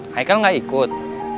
haikal gak ikut